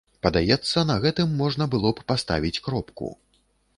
Падаецца, на гэтым можна было б паставіць кропку.